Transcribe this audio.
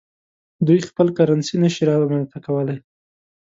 دوی خپل کرنسي نشي رامنځته کولای.